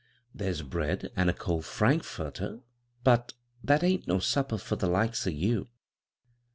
"There's bread an' a cold frank furter, but that ain't no supper fur the likes o' you.